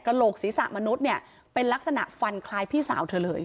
โหลกศีรษะมนุษย์เนี่ยเป็นลักษณะฟันคล้ายพี่สาวเธอเลย